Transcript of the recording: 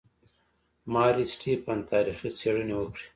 ماري سټیفن تاریخي څېړنې وکړې.